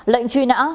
lệnh truy nã